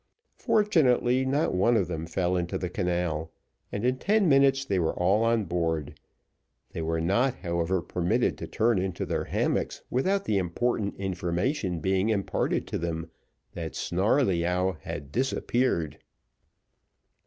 Fortunately, not one of them fell into the canal, and in ten minutes they were all on board; they were not, however, permitted to turn into their hammocks without the important information being imparted to them, that Snarleyyow had disappeared.